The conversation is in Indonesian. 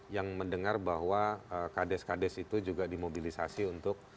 yang mendengar bahwa kdes kdes itu juga dimobilisasi untuk